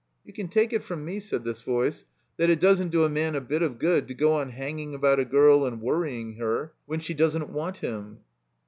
"You can take it from me," said this voice, "that it doesn't do a man a bit of good to go on hanging about a girl and worrying her when she doesn't want him."